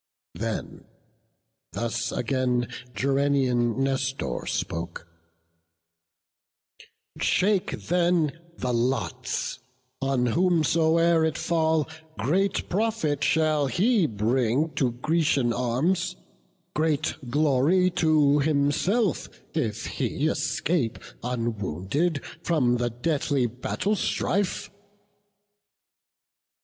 Then thus again Gerenian Nestor spoke: "Shake then the lots; on whomsoe'er it fall, Great profit shall he bring to Grecian arms, Great glory to himself, if he escape Unwounded from the deadly battle strife."